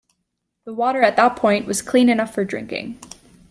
The water at that point was clean enough for drinking.